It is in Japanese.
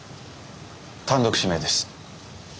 単独指名です。